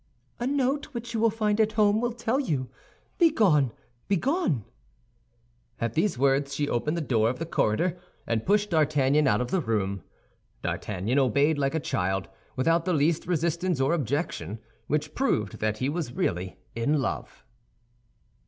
"A note which you will find at home will tell you. Begone, begone!" At these words she opened the door of the corridor, and pushed D'Artagnan out of the room. D'Artagnan obeyed like a child, without the least resistance or objection, which proved that he was really in love.